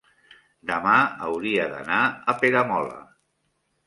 demà hauria d'anar a Peramola.